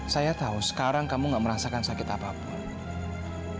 saya tahu sekarang kamu gak merasakan sakit apapun